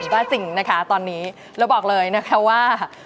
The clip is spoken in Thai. ก็สิ่งนะคะตอนนี้แล้วบอกเลยนะคะว่า